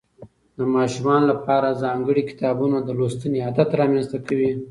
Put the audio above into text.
د ماشومانو لپاره ځانګړي کتابونه د لوستنې عادت رامنځته کوي.